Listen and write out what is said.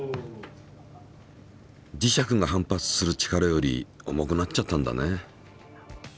磁石が反発する力より重くなっちゃったんだね。